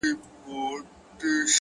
مننه د زړه ښکلا ده!